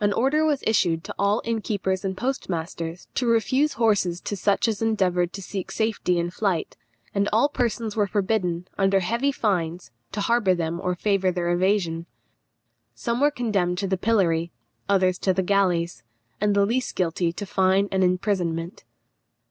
An order was issued to all innkeepers and postmasters to refuse horses to such as endeavoured to seek safety in flight; and all persons were forbidden, under heavy fines, to harbour them or favour their evasion. Some were condemned to the pillory, others to the galleys, and the least guilty to fine and imprisonment.